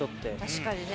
確かにね。